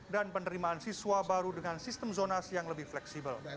dan penerimaan siswa baru dengan sistem zonasi yang lebih fleksibel